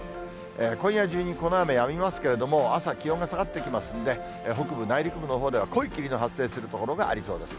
今夜中にこの雨やみますけれども、朝、気温が下がってきますんで、北部、内陸部のほうでは濃い霧の発生する所がありそうです。